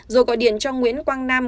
rồi gọi điện cho nguyễn quang nam